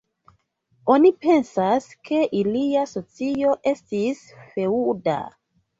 Oni pensas, ke ilia socio estis feŭda.